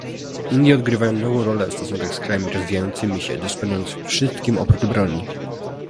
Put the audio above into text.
Indie odgrywają nową rolę w stosunkach z krajami rozwijającymi się, dysponując "wszystkim oprócz broni"